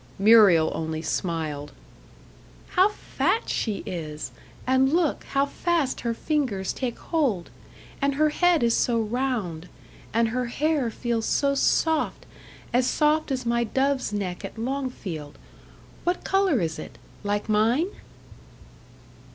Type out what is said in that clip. Muriel only smiled. "How fat she is! and look, how fast her fingers take hold! And her head is so round, and her hair feels so soft as soft as my dove's neck at Longfield. What colour is it? Like mine?"